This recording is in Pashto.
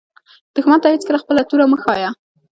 دښمن ته هېڅکله خپله توره مه ښایه